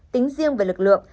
tính riêng về lực lượng